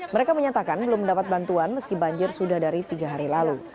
mereka menyatakan belum mendapat bantuan meski banjir sudah dari tiga hari lalu